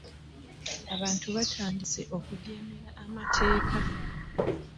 Abantu batandise okugyemera amateeka.